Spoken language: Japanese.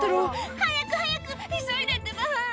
「早く早く急いでってば！」